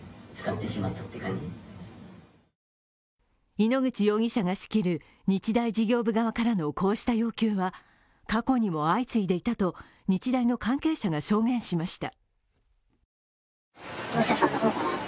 井ノ口容疑者が仕切る日大事業部側からのこうした要求は、過去にも相次いでいたと日大の関係者が証言しました。